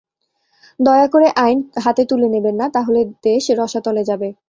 দয়া করে আইন হাতে তুলে নেবেন না, তাহলে দেশ রসাতলে যাবে।